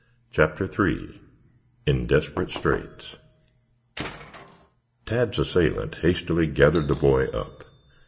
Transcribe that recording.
CHAPTER III IN DESPERATE STRAITS Tad's assailant hastily gathered the boy up.